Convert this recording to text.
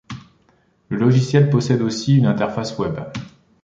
Le logiciel possède aussi une interface web.